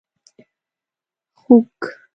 🐖 خوګ